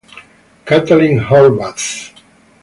Katalin Horváth